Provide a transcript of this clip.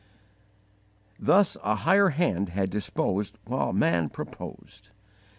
Thus a higher Hand had disposed while man proposed.